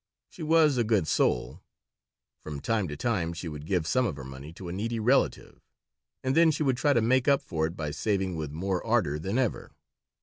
She was a good soul. From time to time she would give some of her money to a needy relative, and then she would try to make up for it by saving with more ardor than ever.